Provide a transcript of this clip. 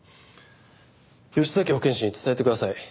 吉崎保健師に伝えてください。